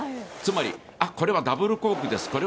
つまりあ、これはダブルコークです